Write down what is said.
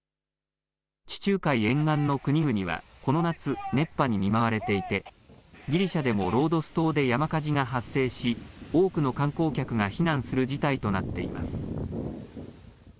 地中海沿岸の国々はこの夏、熱波に見舞われていてギリシャでもロードス島で山火事が発生し多くの観光客が避難する事態となっています。